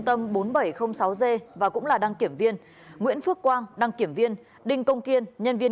tâm bốn nghìn bảy trăm linh sáu g và cũng là đăng kiểm viên nguyễn phước quang đăng kiểm viên đinh công kiên nhân viên